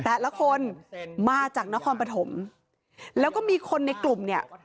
แต่ละคนมาจากนครปฐมแล้วก็มีคนในกลุ่มเนี่ย